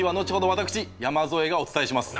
私山添がお伝えします。